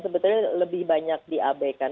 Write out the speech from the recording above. sebetulnya lebih banyak diabaikan